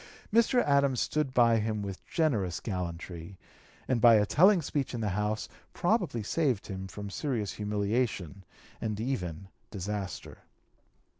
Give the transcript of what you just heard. Mr. Adams stood by him with generous gallantry, and by a telling speech in the House probably saved him from serious humiliation and even disaster.